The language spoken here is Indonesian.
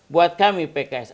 buat kami pks